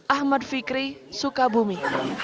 ahmad fikri sukabumi